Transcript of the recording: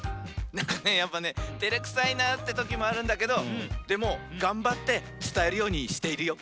なんかねやっぱねてれくさいなってときもあるんだけどでもがんばってつたえるようにしているよ。